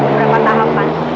masih beberapa tahapan